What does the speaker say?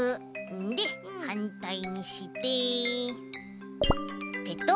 ではんたいにしてペトッ！